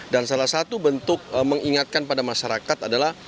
dan salah satu bentuk mengingatkan pada masyarakat adalah